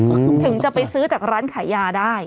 ถึงจะไปซื้อจากร้านขายยาได้